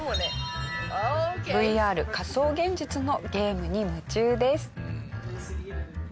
ＶＲ仮想現実のゲームに夢中です。